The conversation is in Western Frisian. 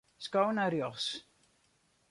Sko nei rjochts.